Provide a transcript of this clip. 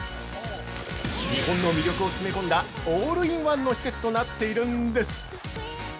日本の魅力を詰め込んだオールインワンの施設となっているんです！